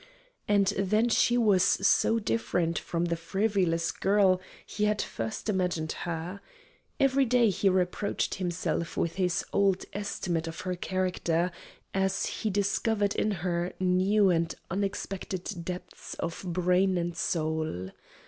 And then she was so different from the frivolous girl he had first imagined her. Every day he reproached himself with his old estimate of her character, as he discovered in her new and unexpected depths of brain and soul.